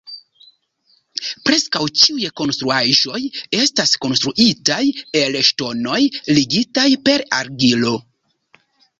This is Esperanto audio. Preskaŭ ĉiuj konstruaĵoj estas konstruitaj el ŝtonoj, ligitaj per argilo.